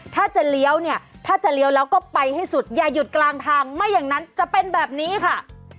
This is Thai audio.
ถ้าจะเลี้ยวเนี่ยถ้าจะเลี้ยวแล้วก็ไปให้สุดอย่าหยุดกลางทางไม่อย่างนั้นจะเป็นแบบนี้ค่ะ